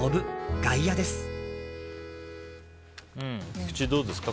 菊地、どうですか。